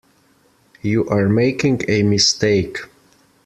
You are making a mistake.